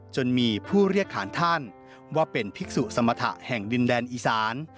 จนมีผู้เรียกขานท่านว่าเป็นภิกษุสมรรถะแห่งดินแดนอีสาน